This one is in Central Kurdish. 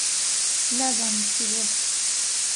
نازانم چی بووە.